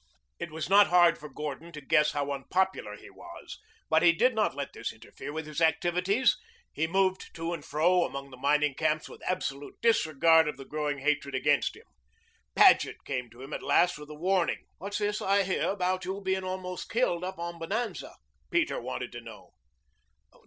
It was not hard for Gordon to guess how unpopular he was, but he did not let this interfere with his activities. He moved to and fro among the mining camps with absolute disregard of the growing hatred against him. Paget came to him at last with a warning. "What's this I hear about you being almost killed up on Bonanza?" Peter wanted to know.